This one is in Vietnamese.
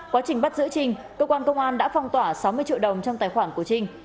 quá trình bắt giữ trinh cơ quan công an đã phong tỏa sáu mươi triệu đồng trong tài khoản của trinh